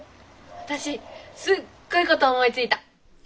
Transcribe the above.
私すっごいこと思いついた。